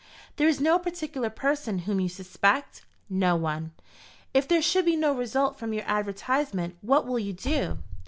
"There is no particular person whom you suspect?" "No one." "If there should be no result from your advertisement, what will you do?"